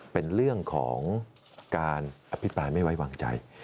เป็นเรื่องของการอภิปรายไม่ไว้วางใจ